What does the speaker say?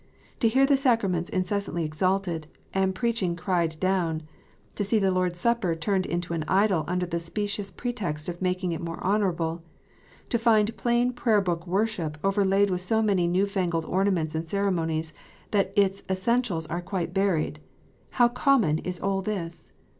To hear the sacraments incessantly exalted, and preaching cried down, to see the Lord s Supper turned into an idol under the specious pretext of making it more honourable, to find plain Prayer book worship overlaid with so many new fangled ornaments and ceremonies that its essentials are quite buried, how common is all this